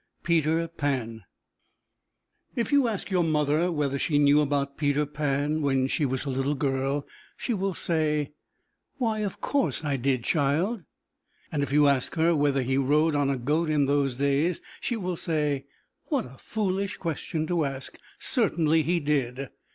XIV. Peter Pan If you ask your mother whether she knew about Peter Pan when she was a little girl she will say, "Why, of course, I did, child," and if you ask her whether he rode on a goat in those days she will say, "What a foolish question to ask; certainly he did."